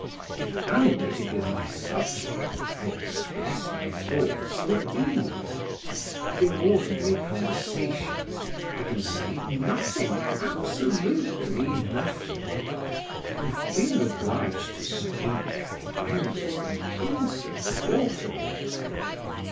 If animated with my subject, I express my thoughts with ease, but, in ordinary conversations, I can say nothing absolutely nothing; and, being obliged to speak, renders them insupportable.